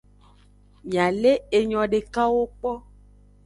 Miale enyo dekawo kpo.